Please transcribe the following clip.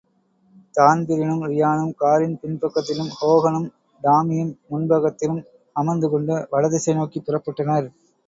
தான்பிரினும் ரியானும் காரின் பின் பக்கத்திலும், ஹோகனும் டாம்மியும் முன்பக்கத்திலும் அமர்ந்து கொண்டு, வடதிசைநோக்கிப் புறப்பட்டனர்.